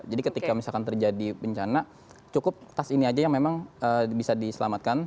jadi ketika misalkan terjadi bencana cukup tas ini aja yang memang bisa diselamatkan